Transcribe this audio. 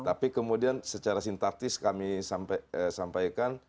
tapi kemudian secara sintatis kami sampaikan